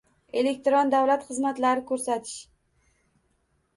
Elektron davlat xizmatlari ko‘rsatish